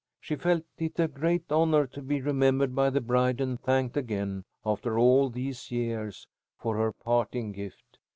She felt it a great honor to be remembered by the bride, and thanked again, after all these years, for her parting gift.